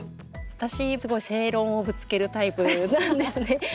私すごい正論をぶつけるタイプなんですね。